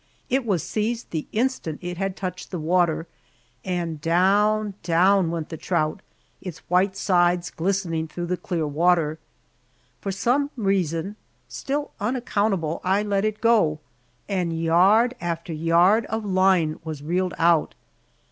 It was seized the instant it had touched the water, and down, down went the trout, its white sides glistening through the clear water. For some reason still unaccountable I let it go, and yard after yard of line was reeled out.